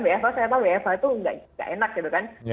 wfh saya tahu wfh itu tidak enak gitu kan